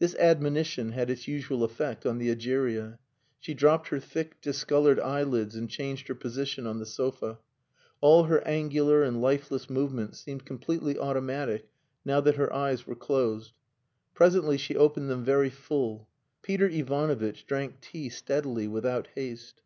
This admonition had its usual effect on the Egeria. She dropped her thick, discoloured eyelids and changed her position on the sofa. All her angular and lifeless movements seemed completely automatic now that her eyes were closed. Presently she opened them very full. Peter Ivanovitch drank tea steadily, without haste.